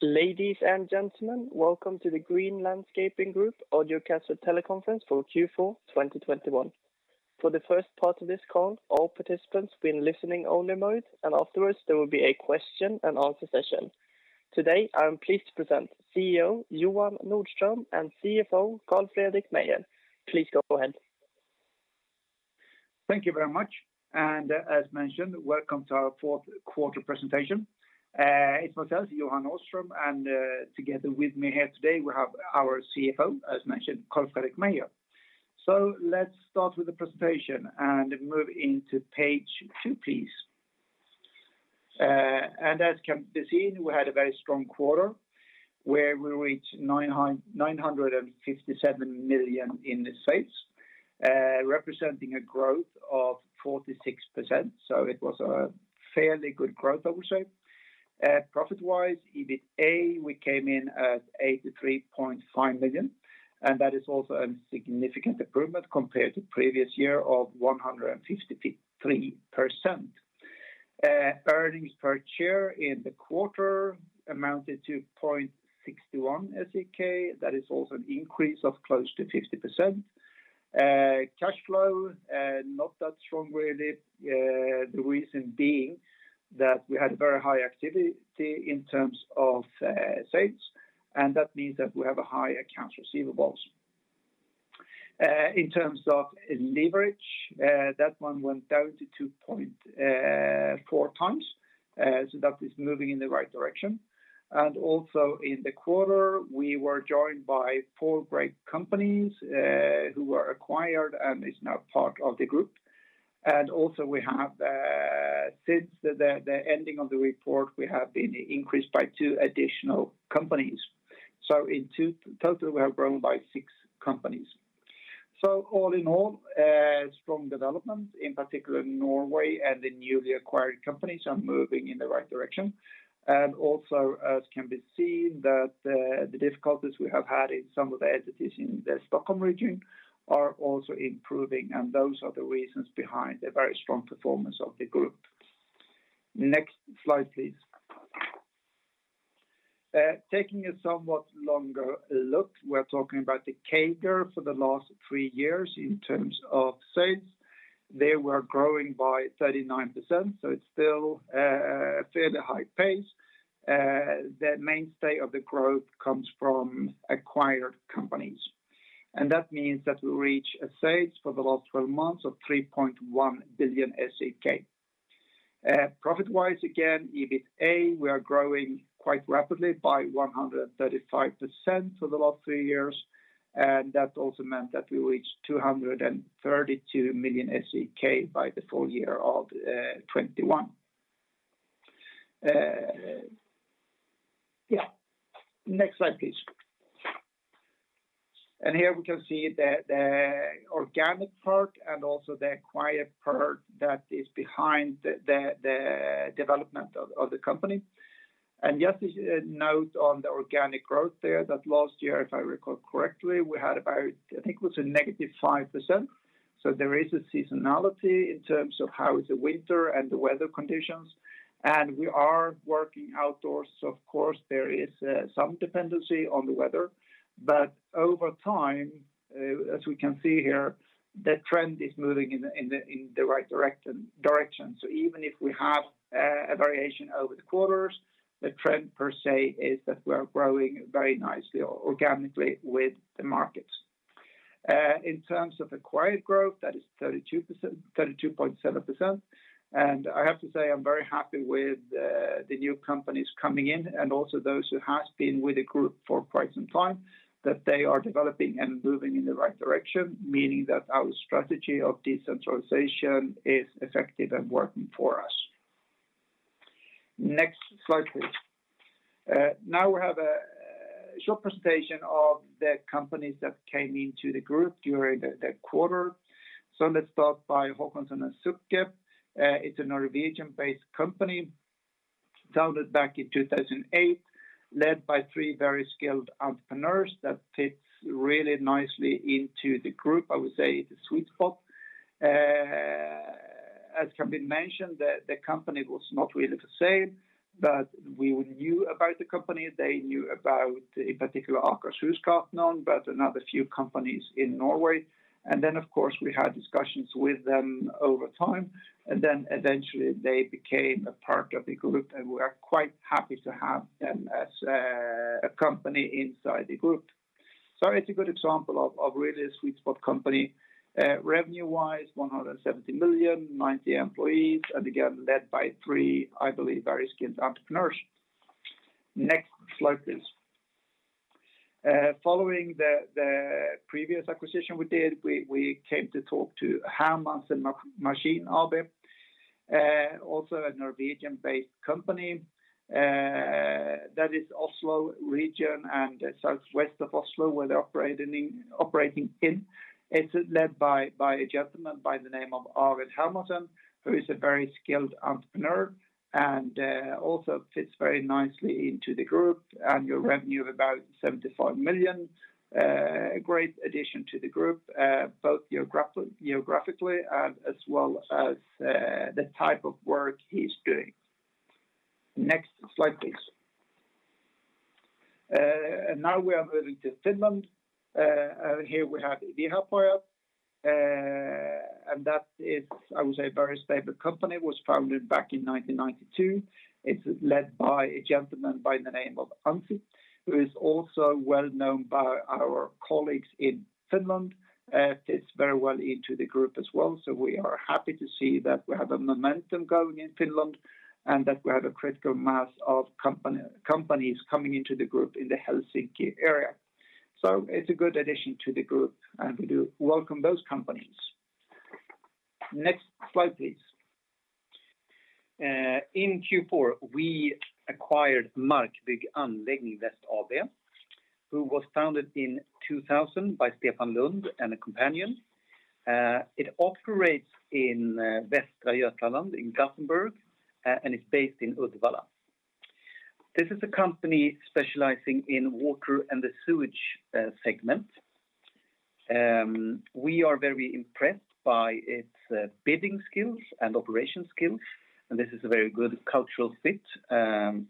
Ladies and gentlemen, welcome to the Green Landscaping Group audio cast teleconference for Q4 2021. For the first part of this call, all participants will be in listening only mode, and afterwards there will be a question and answer session. Today, I am pleased to present CEO Johan Nordström and CFO Carl-Fredrik Meijer. Please go ahead. Thank you very much. As mentioned, welcome to our fourth quarter presentation. It's myself, Johan Nordström, and together with me here today we have our CFO, as mentioned, Carl-Fredrik Meijer. Let's start with the presentation and move into page two, please. As can be seen, we had a very strong quarter, where we reached 957 million in the sales, representing a growth of 46%, so it was a fairly good growth, I would say. Profit-wise, EBITA, we came in at 83.5 million, and that is also a significant improvement compared to previous year of 153%. Earnings per share in the quarter amounted to 0.61 SEK. That is also an increase of close to 50%. Cash flow, not that strong, really. The reason being that we had very high activity in terms of sales, and that means that we have a high accounts receivable. In terms of leverage, that one went down to 2.4x, so that is moving in the right direction. Also in the quarter, we were joined by four great companies who were acquired and is now part of the group. Also we have, since the ending of the report, we have been increased by two additional companies. In total, we have grown by six companies. All in all, a strong development, in particular Norway and the newly acquired companies are moving in the right direction. Also, as can be seen that the difficulties we have had in some of the entities in the Stockholm region are also improving, and those are the reasons behind the very strong performance of the group. Next slide, please. Taking a somewhat longer look, we're talking about the CAGR for the last three years in terms of sales. They were growing by 39%, so it's still a fairly high pace. The mainstay of the growth comes from acquired companies. That means that we reach a sales for the last 12 months of 3.1 billion SEK. Profit-wise, again, EBITA, we are growing quite rapidly by 135% for the last three years. That also meant that we reached 232 million SEK by the full year of 2021. Yeah, next slide, please. Here we can see the organic part and also the acquired part that is behind the development of the company. Just a note on the organic growth there, that last year, if I recall correctly, we had about, I think it was -5%. There is a seasonality in terms of how the winter and the weather conditions, and we are working outdoors. Of course, there is some dependency on the weather. But over time, as we can see here, the trend is moving in the right direction. Even if we have a variation over the quarters, the trend per se is that we're growing very nicely organically with the markets. In terms of acquired growth, that is 32.7%. I have to say I'm very happy with the new companies coming in and also those who has been with the group for quite some time, that they are developing and moving in the right direction, meaning that our strategy of decentralization is effective and working for us. Next slide, please. Now we have a short presentation of the companies that came into the group during the quarter. Let's start by Reidar Håkonsen & Sønn AS. It's a Norwegian-based company founded back in 2008, led by three very skilled entrepreneurs that fits really nicely into the group. I would say the sweet spot. As can be mentioned, the company was not really the same, but we knew about the company. They knew about a particular Akershusgartneren Of course, we had discussions with them over time. Eventually they became a part of the group, and we are quite happy to have them as a company inside the group. It's a good example of really a sweet spot company. Revenue-wise, 170 million, 90 employees, and again, led by three, I believe, very skilled entrepreneurs. Next slide, please. Following the previous acquisition we did, we came to talk to Hermansen Maskin AS, also a Norwegian-based company. That is Oslo region and southwest of Oslo, where they're operating in. It's led by a gentleman by the name of Arvid Hermansen, who is a very skilled entrepreneur and, also fits very nicely into the group. Annual revenue of about 75 million. A great addition to the group, both geographically and as well as the type of work he's doing. Next slide, please. Now we are moving to Finland. Here we have Viherpojat Oy, and that is, I would say, a very stable company. It was founded back in 1992. It's led by a gentleman by the name of Anssi Koskela, who is also well-known by our colleagues in Finland, fits very well into the group as well. We are happy to see that we have a momentum going in Finland, and that we have a critical mass of companies coming into the group in the Helsinki area. It's a good addition to the group, and we do welcome those companies. Next slide, please. In Q4, we acquired Markbygg Anläggning Väst AB, which was founded in 2000 by Stefan Lundh and a companion. It operates in Västra Götaland in Gothenburg, and it's based in Uddevalla. This is a company specializing in water and the sewage segment. We are very impressed by its bidding skills and operation skills, and this is a very good cultural fit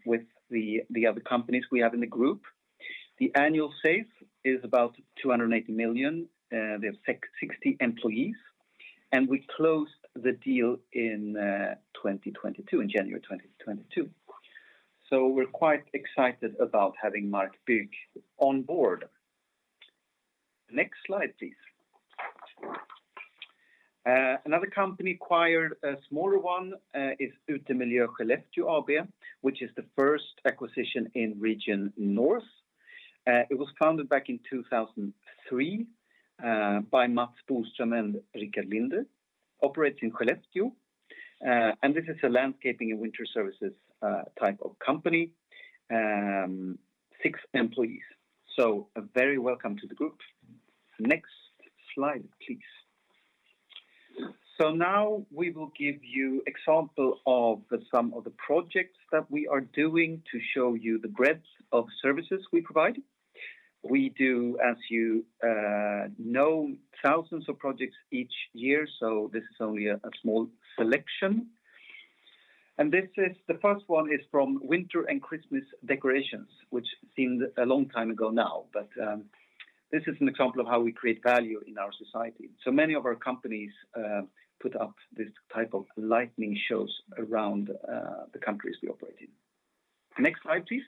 with the other companies we have in the group. The annual sales is about 280 million. They have 60 employees, and we closed the deal in 2022, in January 2022. We're quite excited about having Markbygg on board. Next slide, please. Another company acquired, a smaller one, is Utemiljö Skellefteå AB, which is the first acquisition in region north. It was founded back in 2003 by Mats Boström and Rickard Lindberg. It operates in Skellefteå. This is a landscaping and winter services type of company. Six employees. A very welcome to the group. Next slide, please. Now we will give you example of some of the projects that we are doing to show you the breadth of services we provide. We do, as you know, thousands of projects each year, so this is only a small selection. This is the first one from winter and Christmas decorations, which seemed a long time ago now. This is an example of how we create value in our society. Many of our companies put up this type of lighting shows around the countries we operate in. Next slide, please.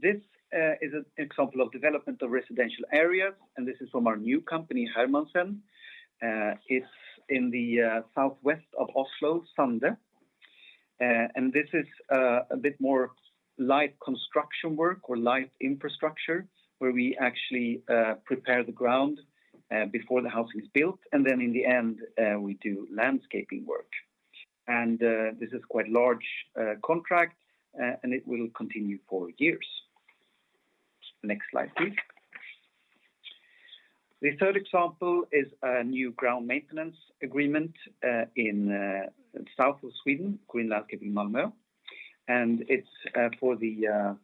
This is an example of development of residential areas, and this is from our new company, Hermansen. It's in the southwest of Oslo, Sande. This is a bit more light construction work or light infrastructure, where we actually prepare the ground before the house is built. Then in the end, we do landscaping work. This is quite large contract, and it will continue for years. Next slide, please. The third example is a new ground maintenance agreement in the south of Sweden, Green Landscaping Malmö. It's for the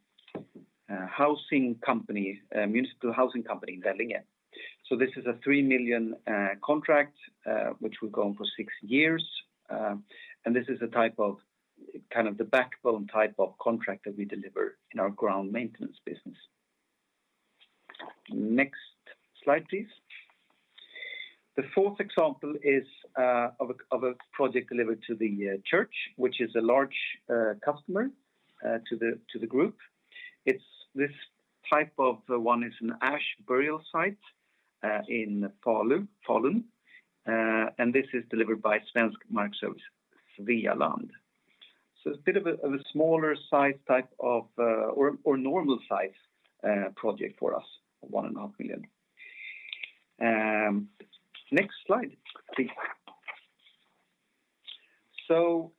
housing company, municipal housing company in Dalby. This is a 3 million contract, which will go on for six years. This is kind of the backbone type of contract that we deliver in our ground maintenance business. Next slide, please. The fourth example is of a project delivered to the church, which is a large customer to the group. It's this type of one is an ash burial site in Falun, and this is delivered by Svensk Markservice AB. It's a bit of a smaller size type of or normal size project for us, SEK 1.5 million. Next slide, please.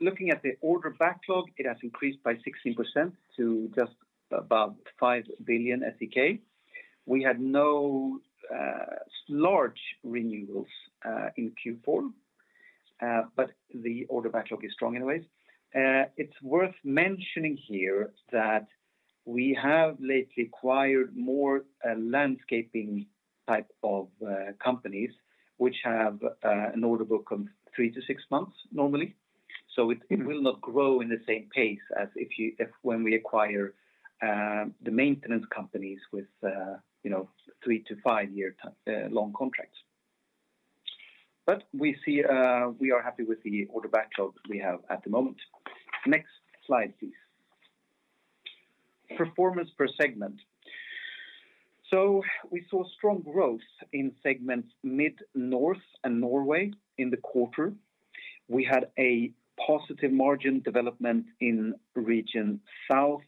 Looking at the order backlog, it has increased by 16% to just about 5 billion SEK. We had no large renewals in Q4, but the order backlog is strong anyways. It's worth mentioning here that we have lately acquired more landscaping type of companies, which have an order book of three to six months normally. It will not grow in the same pace as when we acquire the maintenance companies with you know, three to five year long contracts. We see we are happy with the order backlogs we have at the moment. Next slide, please. Performance per segment. We saw strong growth in segments Mid, North, and Norway in the quarter. We had a positive margin development in region South,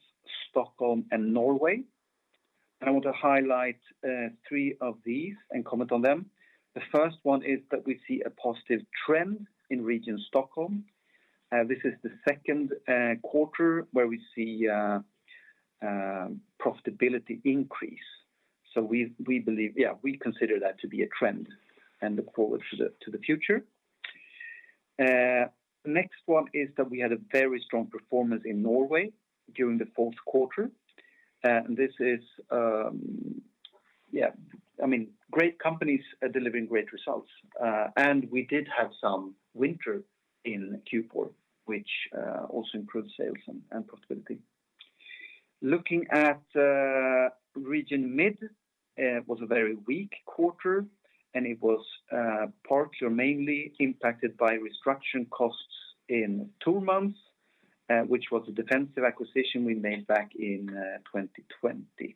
Stockholm, and Norway. I want to highlight three of these and comment on them. The first one is that we see a positive trend in region Stockholm. This is the second quarter where we see profitability increase. We believe we consider that to be a trend and look forward to the future. The next one is that we had a very strong performance in Norway during the fourth quarter. This is. I mean, great companies are delivering great results. We did have some winter in Q4, which also improved sales and profitability. Looking at Region Mid was a very weak quarter, and it was partly or mainly impacted by restructuring costs in two months, which was a defensive acquisition we made back in 2020.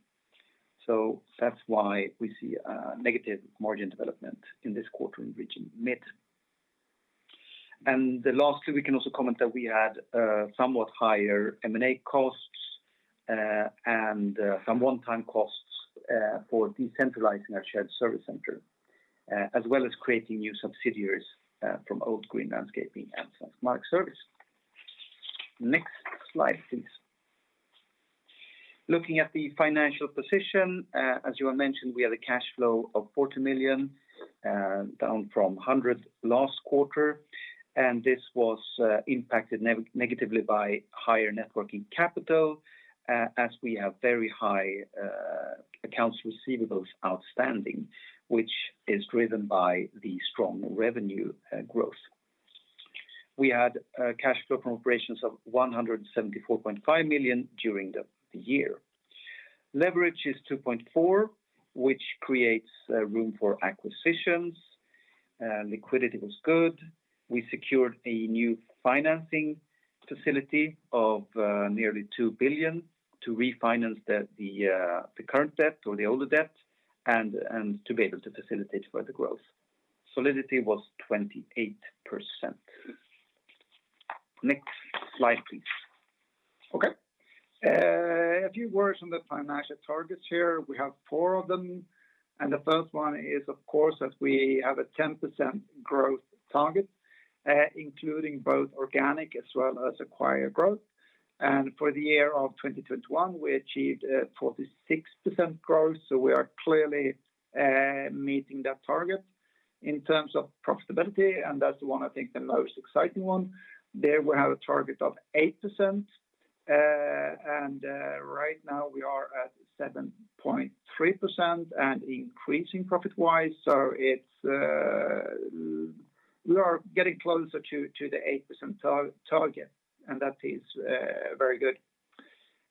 That's why we see a negative margin development in this quarter in Region Mid. The last two, we can also comment that we had somewhat higher M&A costs and some one-time costs for decentralizing our shared service center as well as creating new subsidiaries from old Green Landscaping and Svensk Markservice. Next slide, please. Looking at the financial position, as Johan mentioned, we had a cash flow of 40 million, down from 100 million last quarter. This was impacted negatively by higher net working capital as we have very high accounts receivables outstanding, which is driven by the strong revenue growth. We had cash flow from operations of 174.5 million during the year. Leverage is 2.4, which creates room for acquisitions. Liquidity was good. We secured a new financing facility of nearly 2 billion to refinance the current debt or the older debt and to be able to facilitate further growth. Solidity was 28%. Next slide, please. Okay. A few words on the financial targets here. We have four of them, and the first one is, of course, that we have a 10% growth target, including both organic as well as acquired growth. For the year of 2021, we achieved 46% growth, so we are clearly meeting that target in terms of profitability, and that's the one I think the most exciting one. There we have a target of 8%, and right now we are at 7.3% and increasing profit-wise. We are getting closer to the 8% target, and that is very good.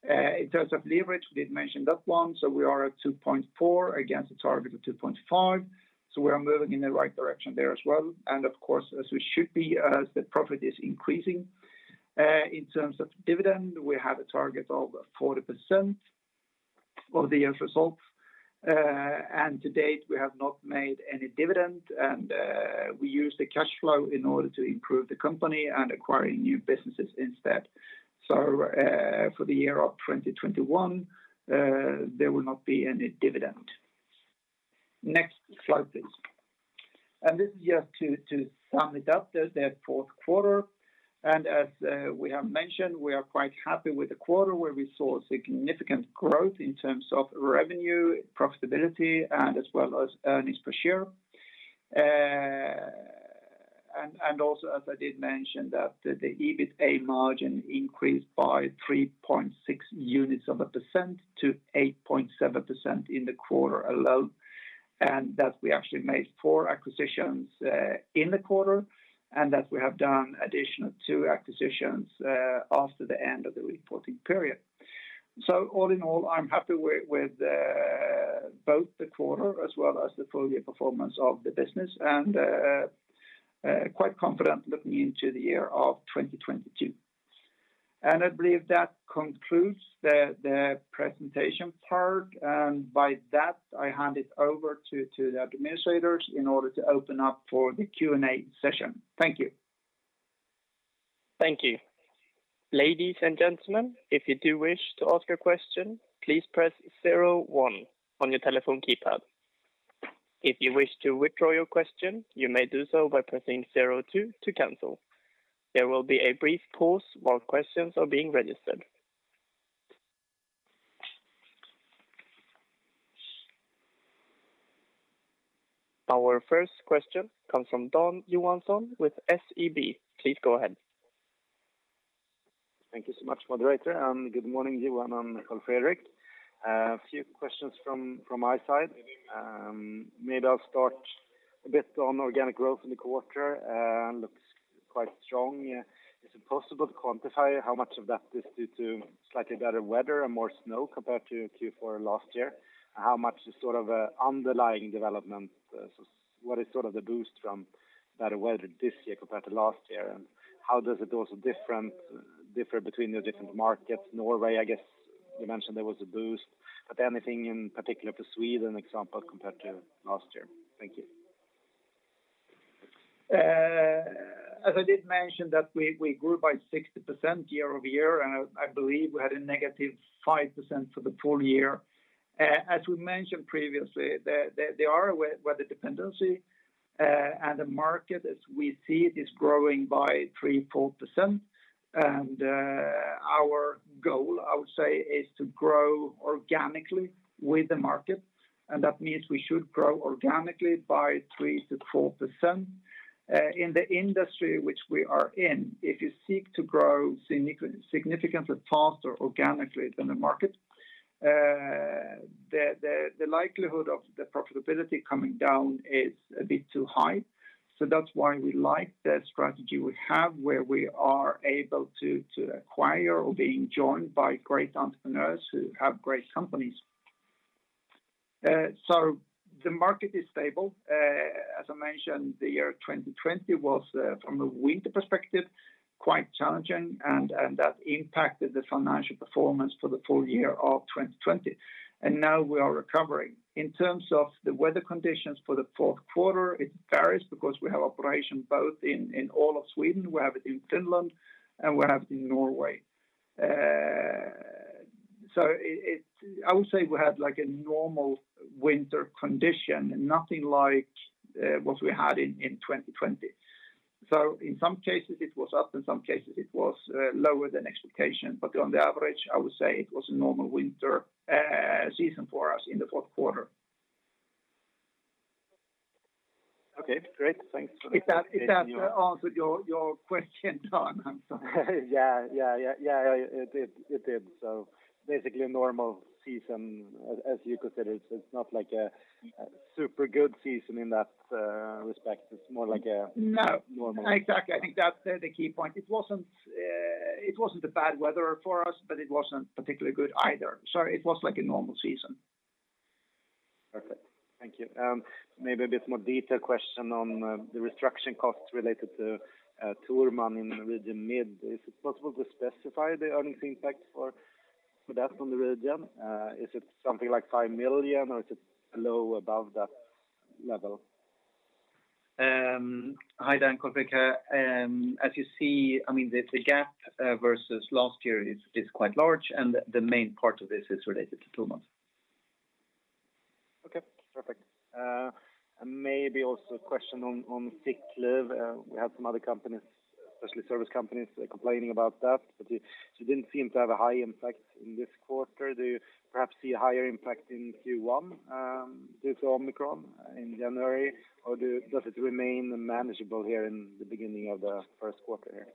In terms of leverage, we did mention that one, so we are at 2.4x against a target of 2.5x. We are moving in the right direction there as well, and of course, as we should be as the profit is increasing. In terms of dividend, we have a target of 40% of the year's results. To date, we have not made any dividend, and we use the cash flow in order to improve the company and acquiring new businesses instead. For the year of 2021, there will not be any dividend. Next slide, please. This is just to sum it up, the fourth quarter. We have mentioned, we are quite happy with the quarter where we saw significant growth in terms of revenue, profitability, and as well as earnings per share. Also, as I did mention that the EBITA margin increased by 3.6 units of a percent to 8.7% in the quarter alone, and that we actually made four acquisitions in the quarter, and that we have done additional two acquisitions after the end of the reporting period. All in all, I'm happy with both the quarter as well as the full year performance of the business and quite confident looking into the year of 2022. I believe that concludes the presentation part, and by that, I hand it over to the administrators in order to open up for the Q&A session. Thank you. Thank you. Ladies and gentlemen, if you do wish to ask a question, please press 01 on your telephone keypad. If you wish to withdraw your question, you may do so by pressing zero two to cancel. There will be a brief pause while questions are being registered. Our first question comes from Dan Johansson with SEB. Please go ahead. Thank you so much, moderator, and good morning to you, Johan and Fredrik. A few questions from my side. Maybe I'll start a bit on organic growth in the quarter, looks quite strong. Is it possible to quantify how much of that is due to slightly better weather or more snow compared to Q4 last year? How much is sort of an underlying development? What is sort of the boost from better weather this year compared to last year? And how does it also differ between the different markets? Norway, I guess you mentioned there was a boost. But anything in particular for Sweden, for example, compared to last year? Thank you. As I did mention that we grew by 60% year over year, and I believe we had a -5% for the full year. As we mentioned previously, there is weather dependency, and the market as we see it is growing by 3%-4%. Our goal I would say is to grow organically with the market, and that means we should grow organically by 3%-4%. In the industry which we are in, if you seek to grow significantly faster organically than the market, the likelihood of the profitability coming down is a bit too high. That's why we like the strategy we have, where we are able to acquire or being joined by great entrepreneurs who have great companies. The market is stable. As I mentioned, the year 2020 was, from a winter perspective, quite challenging and that impacted the financial performance for the full year of 2020, and now we are recovering. In terms of the weather conditions for the fourth quarter, it varies because we have operation both in all of Sweden, we have it in Finland, and we have it in Norway. I would say we had like a normal winter condition, nothing like what we had in 2020. In some cases it was up, in some cases it was lower than expectation. On the average, I would say it was a normal winter season for us in the fourth quarter. Okay, great. Thanks. If that answered your question, Johan, I'm sorry. Yeah. It did. Basically a normal season as you consider it. It's not like a super good season in that respect. It's more like a- No Normal. Exactly. I think that's the key point. It wasn't a bad weather for us, but it wasn't particularly good either. It was like a normal season. Perfect. Thank you. Maybe a bit more detailed question on the restructuring costs related to Thormans in the region mid. Is it possible to specify the earnings impact for that from the region? Is it something like 5 million or is it below, above that level? Hi Dan Johansson. As you see, I mean, the gap versus last year is quite large, and the main part of this is related to Thormans. Okay. Perfect. Maybe also a question on sick leave. We have some other companies, especially service companies, complaining about that. You didn't seem to have a high impact in this quarter. Do you perhaps see a higher impact in Q1 due to Omicron in January? Does it remain manageable here in the beginning of the first quarter?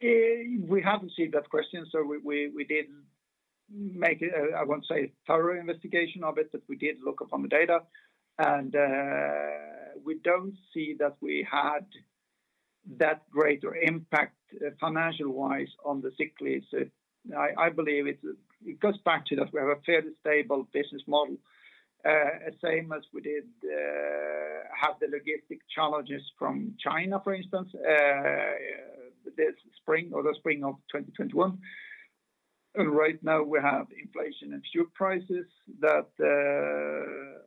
We haven't seen that question, so we did make. I won't say thorough investigation of it, but we did look upon the data. We don't see that we had that greater impact, financial-wise on the sick leave. I believe it goes back to that we have a fairly stable business model. Same as we did have the logistic challenges from China, for instance, this spring or the spring of 2021. Right now we have inflation in fuel prices that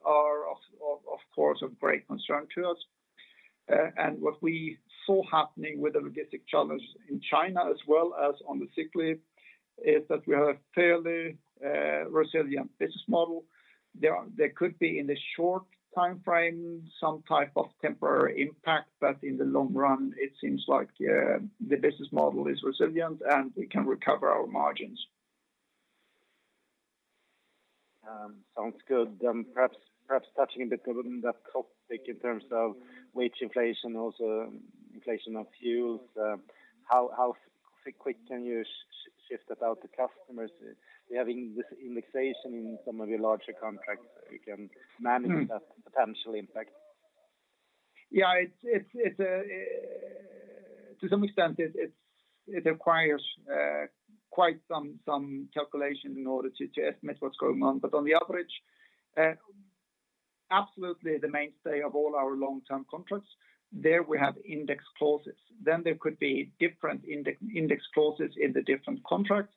are of course of great concern to us. What we saw happening with the logistic challenge in China as well as on the sick leave is that we have a fairly resilient business model. There could be in the short timeframe some type of temporary impact, but in the long run it seems like the business model is resilient and we can recover our margins. Sounds good. Perhaps touching a bit within that topic in terms of wage inflation, also inflation of fuels, how quick can you shift that out to customers? Do you have indexation in some of your larger contracts that you can manage- Mm that potential impact? It's to some extent it requires quite some calculation in order to estimate what's going on. On the average, absolutely the mainstay of all our long-term contracts, there we have index clauses. There could be different index clauses in the different contracts.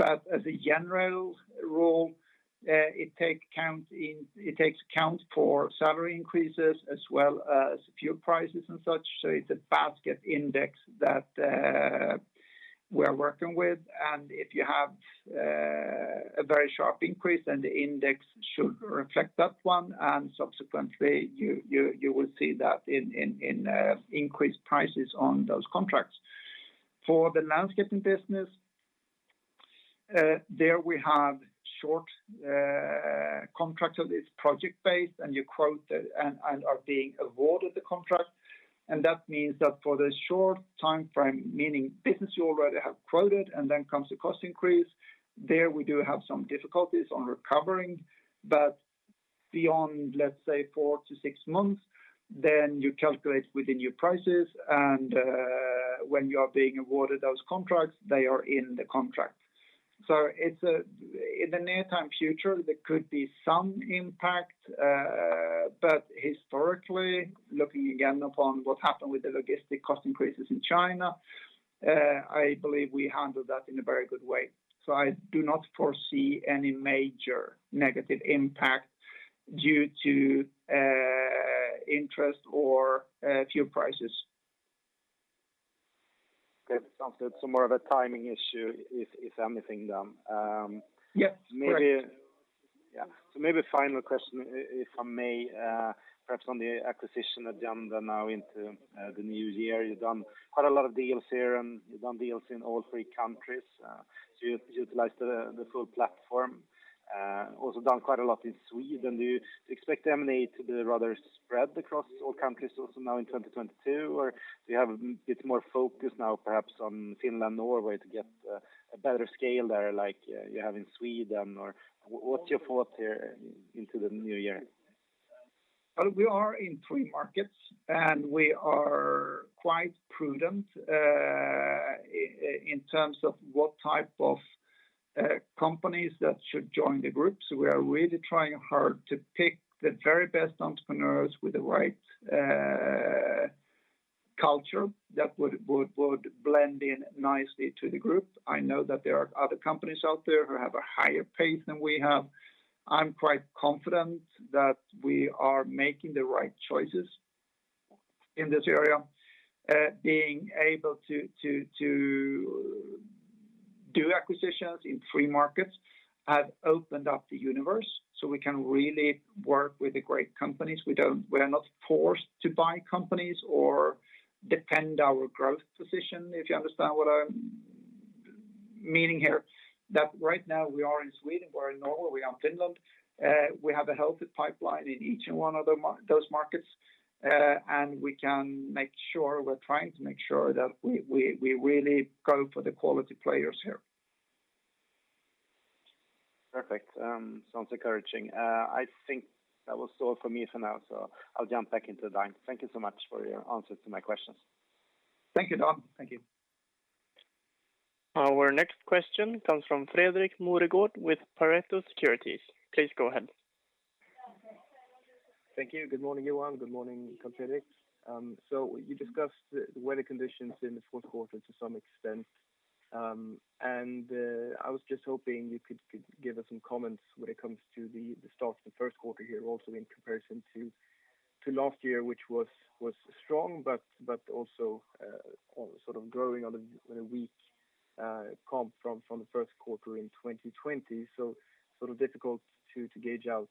As a general rule, it takes into account salary increases as well as fuel prices and such, so it's a basket index that we are working with. If you have a very sharp increase, then the index should reflect that one, and subsequently you will see that in increased prices on those contracts. For the landscaping business, there we have short contracts. It's project-based, and you quote and are being awarded the contract. That means that for the short timeframe, meaning business you already have quoted and then comes the cost increase, there we do have some difficulties in recovering. Beyond, let's say four to six months, then you calculate with the new prices and, when you are being awarded those contracts, they are in the contract. In the near-term future, there could be some impact, but historically, looking again upon what happened with the logistics cost increases in China, I believe we handled that in a very good way. I do not foresee any major negative impact due to interest or fuel prices. Okay. Sounds like it's more of a timing issue, if anything then. Yes. Correct. Maybe final question, if I may, perhaps on the acquisition agenda now into the new year. You've done quite a lot of deals here, and you've done deals in all three countries, so you've utilized the full platform. Also done quite a lot in Sweden. Do you expect M&A to be rather spread across all countries also now in 2022, or do you have a bit more focus now perhaps on Finland, Norway to get a better scale there like you have in Sweden? Or what's your thought here into the new year? Well, we are in three markets, and we are quite prudent in terms of what type of companies that should join the group. We are really trying hard to pick the very best entrepreneurs with the right culture that would blend in nicely to the group. I know that there are other companies out there who have a higher pace than we have. I'm quite confident that we are making the right choices in this area. Being able to do acquisitions in three markets have opened up the universe, so we can really work with the great companies. We are not forced to buy companies or defend our growth position, if you understand what I'm meaning here. That right now we are in Sweden, we're in Norway, we are in Finland. We have a healthy pipeline in each one of those markets, and we can make sure, we're trying to make sure that we really go for the quality players here. Perfect. Sounds encouraging. I think that was all for me for now, so I'll jump back into the line. Thank you so much for your answers to my questions. Thank you, Dan. Thank you. Our next question comes from Fredrik Moregård with Pareto Securities. Please go ahead. Thank you. Good morning, Johan. Good morning, Fredrik. You discussed the weather conditions in the fourth quarter to some extent, and I was just hoping you could give us some comments when it comes to the start of the first quarter here, also in comparison to last year, which was strong, but also sort of growing on a weak comp from the first quarter in 2020. It is sort of difficult to figure out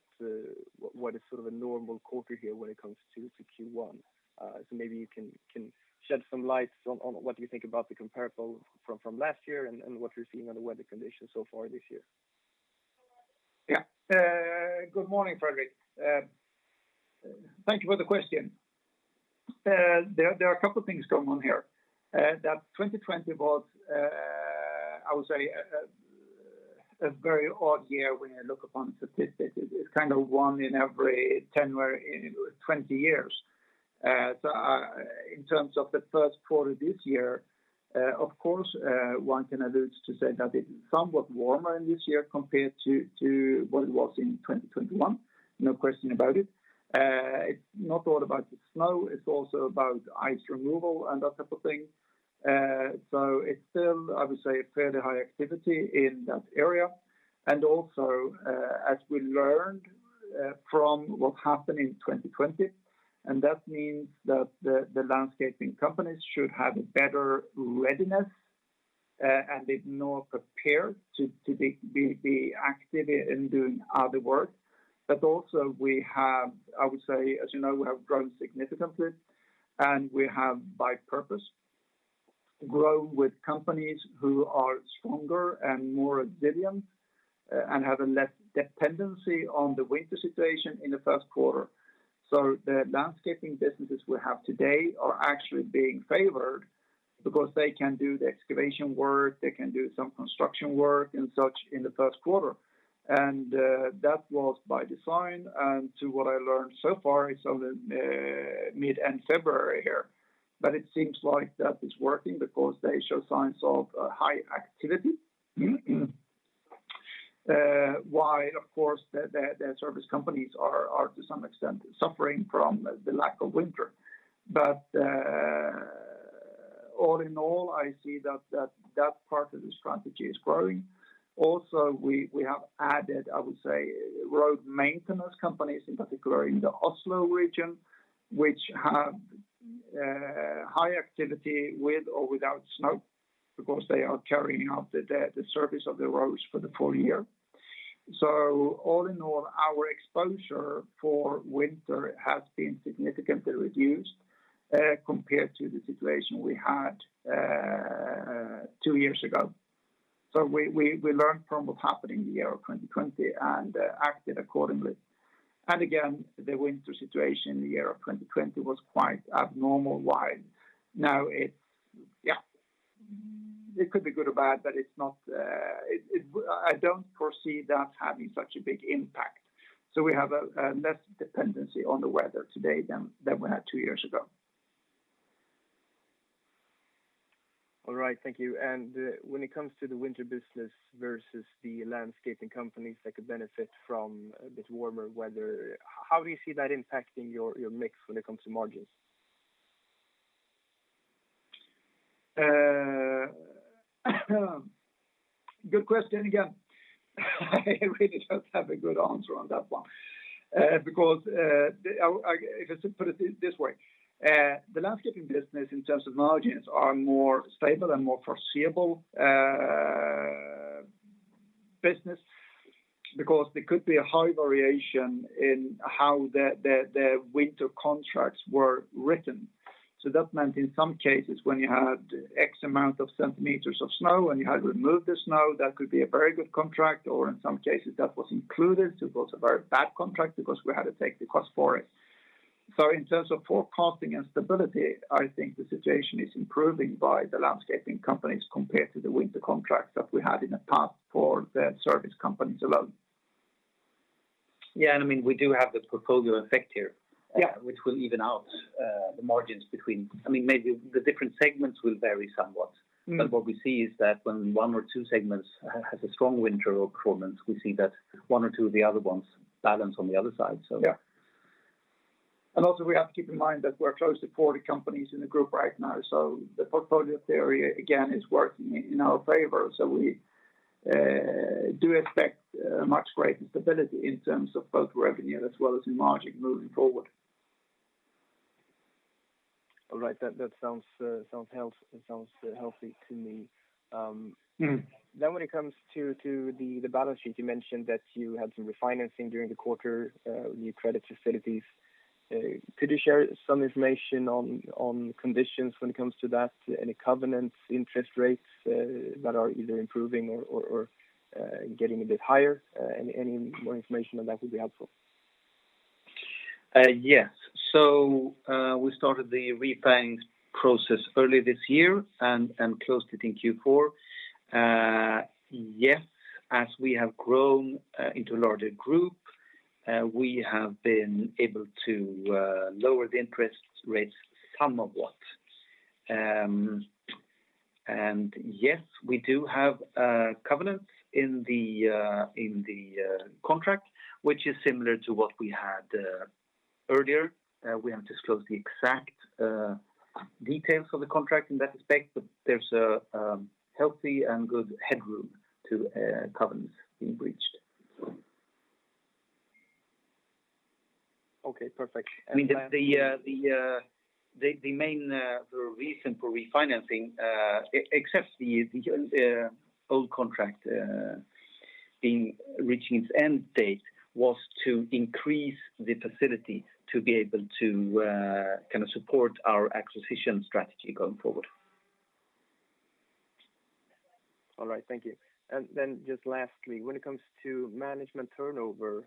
what is sort of a normal quarter here when it comes to Q1. Maybe you can shed some light on what you think about the comparable from last year and what you're seeing on the weather conditions so far this year. Yeah. Good morning, Fredrik. Thank you for the question. There are a couple of things going on here. That 2020 was, I would say, a very odd year when you look upon statistics. It's kind of one in every 10 or 20 years. In terms of the first quarter this year, of course, one can allude to say that it's somewhat warmer in this year compared to what it was in 2021, no question about it. It's not all about the snow, it's also about ice removal and that type of thing. It's still, I would say, fairly high activity in that area. As we learned from what happened in 2020, that means that the landscaping companies should have a better readiness and be more prepared to be active in doing other work. Also we have, I would say, as you know, we have grown significantly, and we have on purpose grown with companies who are stronger and more resilient and have a less dependency on the winter situation in the first quarter. The landscaping businesses we have today are actually being favored because they can do the excavation work, they can do some construction work and such in the first quarter. That was by design, and from what I've learned so far, it's only mid-February here. It seems like that is working because they show signs of high activity. While of course the service companies are to some extent suffering from the lack of winter. All in all, I see that part of the strategy is growing. Also, we have added, I would say, road maintenance companies, in particular in the Oslo region, which have high activity with or without snow because they are carrying out the service of the roads for the full year. All in all, our exposure for winter has been significantly reduced compared to the situation we had two years ago. We learned from what happened in the year of 2020 and acted accordingly. Again, the winter situation in the year of 2020 was quite abnormal while now it's. It could be good or bad, but it's not it. I don't foresee that having such a big impact. We have a less dependency on the weather today than we had two years ago. All right. Thank you. When it comes to the winter business versus the landscaping companies that could benefit from a bit warmer weather, how do you see that impacting your mix when it comes to margins? Good question. Again, I really don't have a good answer on that one. Because the landscaping business in terms of margins are more stable and more foreseeable business because there could be a high variation in how the winter contracts were written. That meant in some cases, when you had x amount of centimeters of snow and you had to remove the snow, that could be a very good contract, or in some cases, that was included. So it was a very bad contract because we had to take the cost for it. In terms of forecasting and stability, I think the situation is improving by the landscaping companies compared to the winter contracts that we had in the past for the service companies alone. I mean, we do have this portfolio effect here which will even out the margins between. I mean, maybe the different segments will vary somewhat. What we see is that when one or two segments has a strong winter performance, we see that one or two of the other ones balance on the other side, so. Yeah. We also have to keep in mind that we're close to 40 companies in the group right now. The portfolio theory again is working in our favor. We do expect much greater stability in terms of both revenue as well as in margin moving forward. All right. That sounds healthy to me. When it comes to the balance sheet, you mentioned that you had some refinancing during the quarter, new credit facilities. Could you share some information on conditions when it comes to that? Any covenants, interest rates that are either improving or getting a bit higher? Any more information on that would be helpful. Yes. We started the refunding process early this year and closed it in Q4. Yes, as we have grown into a larger group, we have been able to lower the interest rates somewhat. Yes, we do have covenants in the contract, which is similar to what we had earlier. We haven't disclosed the exact details of the contract in that respect, but there's a healthy and good headroom to covenants being breached. Okay. Perfect. I mean, the main reason for refinancing, except the old contract reaching its end date, was to increase the facility to be able to kind of support our acquisition strategy going forward. All right. Thank you. Just lastly, when it comes to management turnover,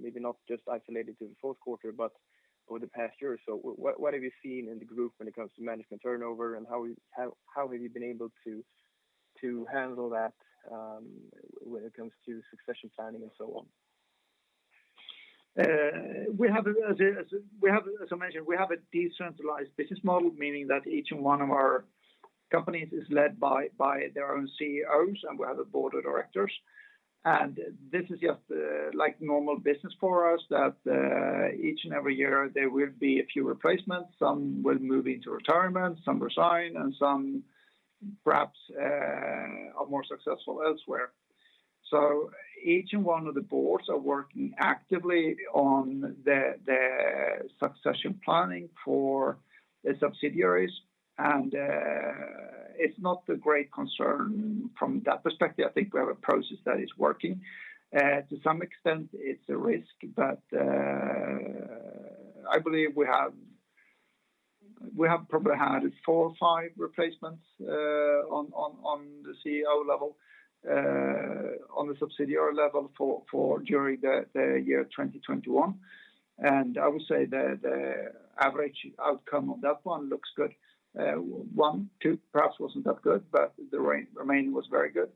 maybe not just isolated to the fourth quarter, but over the past year or so, what have you seen in the group when it comes to management turnover, and how have you been able to handle that, when it comes to succession planning and so on? As I mentioned, we have a decentralized business model, meaning that each one of our companies is led by their own CEOs, and we have a board of directors. This is just like normal business for us that each and every year there will be a few replacements. Some will move into retirement, some resign, and some perhaps are more successful elsewhere. Each one of the boards are working actively on the succession planning for the subsidiaries, and it's not a great concern from that perspective. I think we have a process that is working. To some extent, it's a risk, but I believe we have probably had four or five replacements on the CEO level on the subsidiary level for during the year 2021. I would say the average outcome of that one looks good. One, two perhaps wasn't that good, but the remaining was very good.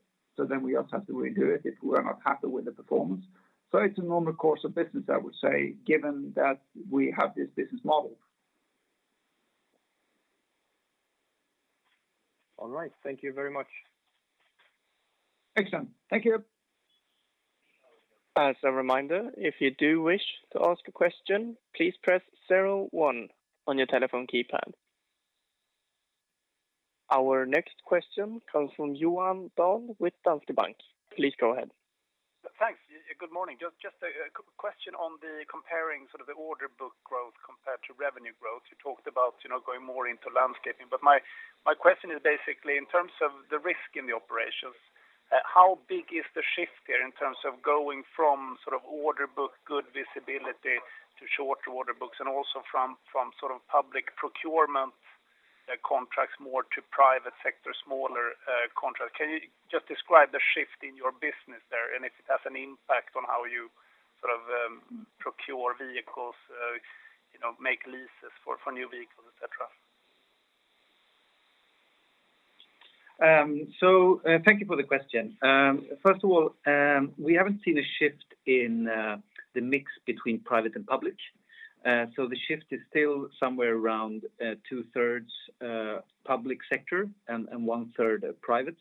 We also have to redo it if we are not happy with the performance. It's a normal course of business, I would say, given that we have this business model. All right. Thank you very much. Excellent. Thank you. As a reminder, if you do wish to ask a question, please press zero one on your telephone keypad. Our next question comes from Johan Dahl with Danske Bank. Please go ahead. Thanks. Good morning. Just a question on comparing sort of the order book growth compared to revenue growth. You talked about, you know, going more into landscaping. My question is basically in terms of the risk in the operations, how big is the shift there in terms of going from sort of order book, good visibility to shorter order books, and also from sort of public procurement contracts more to private sector, smaller contracts? Can you just describe the shift in your business there and if it has an impact on how you sort of procure vehicles, you know, make leases for new vehicles, et cetera? Thank you for the question. First of all, we haven't seen a shift in the mix between private and public. The shift is still somewhere around 2/3 public sector and 1/3 private.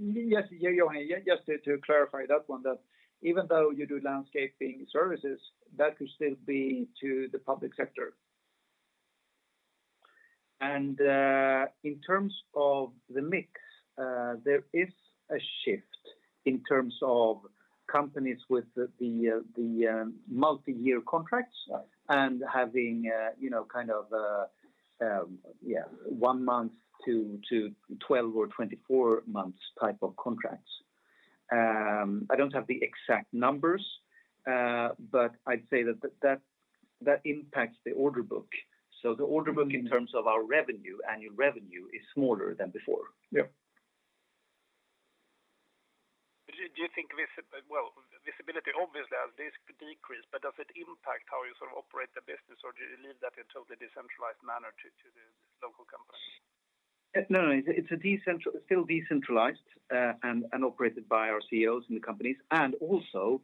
Yes. Yeah, Johan, just to clarify that one, that even though you do landscaping services, that could still be to the public sector. In terms of the mix, there is a shift in terms of companies with the multi-year contracts. Right and having you know kind of one month to 12 or 24 months type of contracts. I don't have the exact numbers, but I'd say that impacts the order book. The order book in terms of our revenue, annual revenue is smaller than before. Yeah. Do you think visibility obviously has thus decreased, but does it impact how you sort of operate the business, or do you leave that in totally decentralized manner to the local company? No, no. It's still decentralized, and operated by our CEOs in the companies. Also,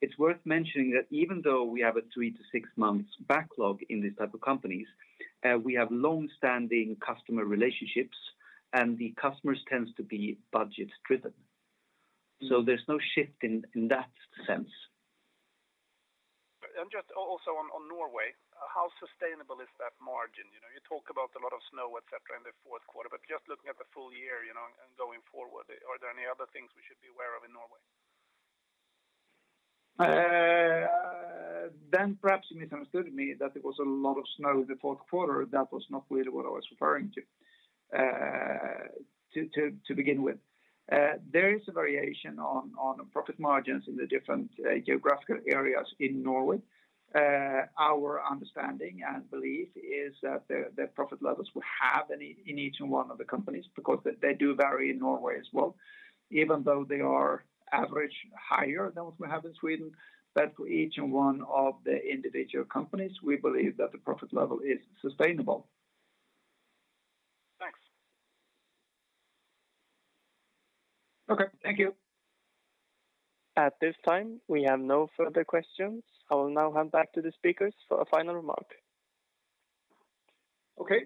it's worth mentioning that even though we have a three to six months backlog in these type of companies, we have long-standing customer relationships, and the customers tends to be budget driven. There's no shift in that sense. Just also on Norway, how sustainable is that margin? You know, you talk about a lot of snow, et cetera, in the fourth quarter, but just looking at the full year, you know, and going forward, are there any other things we should be aware of in Norway? Perhaps you misunderstood me that there was a lot of snow in the fourth quarter. That was not really what I was referring to to begin with. There is a variation on profit margins in the different geographical areas in Norway. Our understanding and belief is that the profit levels will have in each one of the companies because they do vary in Norway as well. Even though they are average higher than what we have in Sweden, but for each one of the individual companies, we believe that the profit level is sustainable. Thanks. Okay. Thank you. At this time, we have no further questions. I will now hand back to the speakers for a final remark. Okay.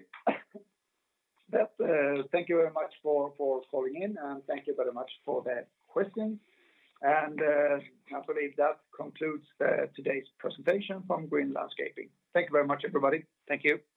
Thank you very much for calling in, and thank you very much for the questions. I believe that concludes today's presentation from Green Landscaping. Thank you very much, everybody. Thank you.